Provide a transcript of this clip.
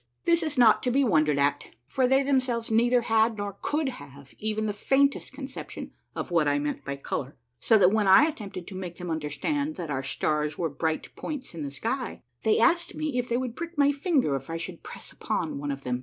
This is not to be wondered at, for they themselves neither had nor could have even the faint est conception of what I meant by color, so that when I at tempted to make them understand that our stars were bright points in the sky, they asked me if they would prick my finger if I should press upon one of them.